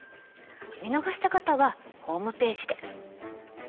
見逃した方はホームページで。